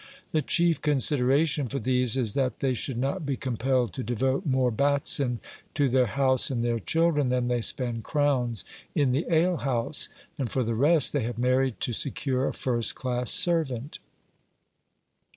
The chief considera tion for these is that they should not be compelled to de vote more batzen to their house and their children than they spend crowns in the ale house, and, for the rest, they have married to secure a first class servant.